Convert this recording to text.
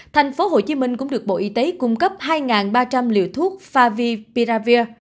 tp hcm cũng được bộ y tế cung cấp hai ba trăm linh liều thuốc favipiravir